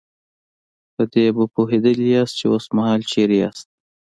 په دې به پوهېدلي ياستئ چې اوسمهال چېرته ياستئ.